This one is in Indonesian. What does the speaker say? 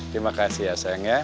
terima kasih ya sayang ya